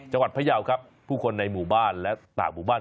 จังหวัดพระยาวครับผู้คนในหมู่บ้านและจากหมู่บ้าน